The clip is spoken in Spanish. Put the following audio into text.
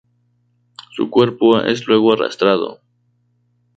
Su cuerpo es luego arrastrado.